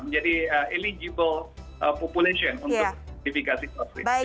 menjadi eligible population untuk sertifikasi vaksin